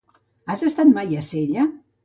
Has estat mai a Sella?